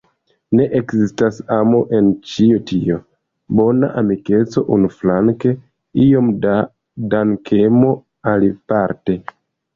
Ne ekzistas amo en ĉio tio: bona amikeco unuflanke, iom da dankemo aliparte.